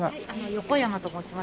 横山と申します。